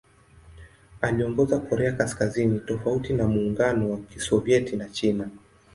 Aliongoza Korea Kaskazini tofauti na Muungano wa Kisovyeti na China.